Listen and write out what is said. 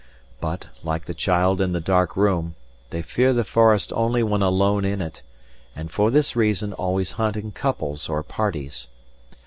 But, like the child in the dark room, they fear the forest only when alone in it, and for this reason always hunt in couples or parties.